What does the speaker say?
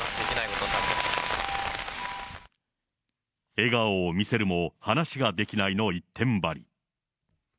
笑顔を見せるも、話ができないの一点張り。